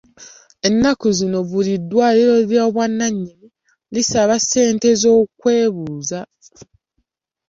Ennaku zino buli ddwaliro ery'obwannannyini lisaba ssente z'okwebuuza.